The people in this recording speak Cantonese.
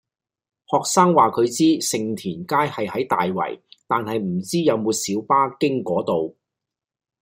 學生話佢知盛田街係喺大圍，但係唔知有冇小巴經嗰度